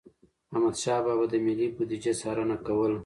احمدشاه بابا به د ملي بوديجي څارنه کوله.